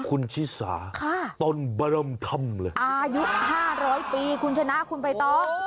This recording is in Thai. คุณชิสาต้นบรมธรรมเลยอายุ๕๐๐ปีคุณชนะคุณใบตอง